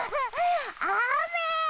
あめ！